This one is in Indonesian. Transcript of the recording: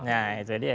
ya itu dia ya